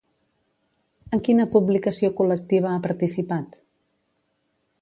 En quina publicació col·lectiva ha participat?